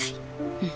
うん。